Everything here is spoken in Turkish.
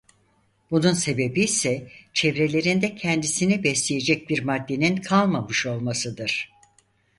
Bunun sebebi ise çevrelerinde kendisini besleyecek bir maddenin kalmamış olmasıdır.